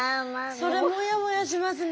それもやもやしますね。